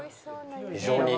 非常に。